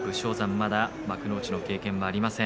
まだ幕内の経験がありません。